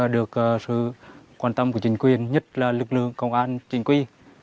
được sự quan tâm của chính quyền nhất là lực lượng công an chính quy